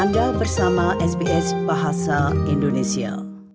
anda bersama sbs bahasa indonesia